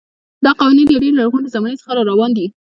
دا قوانین له ډېرې لرغونې زمانې څخه راروان دي.